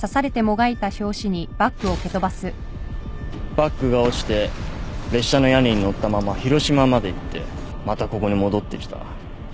バッグが落ちて列車の屋根にのったまま広島まで行ってまたここに戻ってきた。